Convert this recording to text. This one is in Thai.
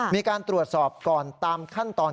มีการตรวจสอบก่อนตามขั้นตอน